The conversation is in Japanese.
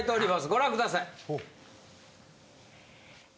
ご覧ください。